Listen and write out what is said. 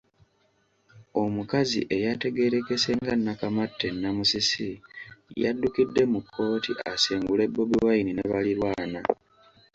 Omukazi eyategeerekese nga Nakamatte Namusisi yaddukidde mu kkooti asengule Bobi Wine ne balirwana .